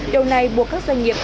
điều này buộc các doanh nghiệp